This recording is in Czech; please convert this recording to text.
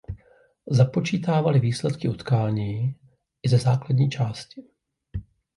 Započítávaly výsledky utkání i ze základní části.